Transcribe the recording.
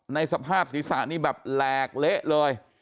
ในสภาพศีรษะนี่แบบแหลกเละเลย